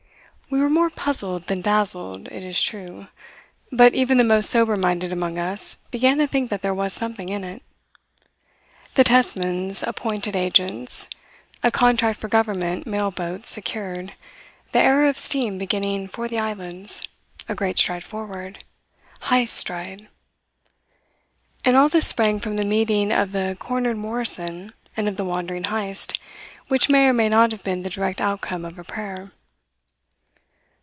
We were more puzzled than dazzled, it is true; but even the most sober minded among us began to think that there was something in it. The Tesmans appointed agents, a contract for government mail boats secured, the era of steam beginning for the islands a great stride forward Heyst's stride! And all this sprang from the meeting of the cornered Morrison and of the wandering Heyst, which may or may not have been the direct outcome of a prayer.